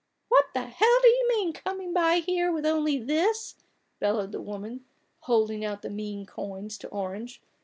" What the hell do you mean by coming here with only this !" bellowed the woman, holding out the mean coins to Orange.